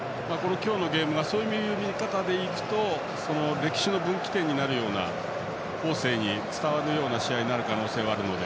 今日のゲームはそういう見方で言うと歴史の分岐点になるような後世に伝わるような試合になる可能性があるので。